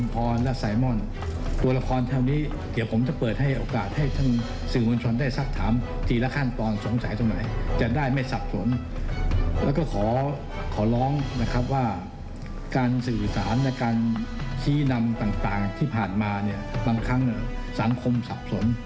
การสื่อสารการชี้นำต่างที่ผ่านมาบางครั้งสังคมสับสน